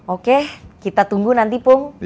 oke kita tunggu nanti pung